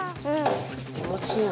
気持ちいいの？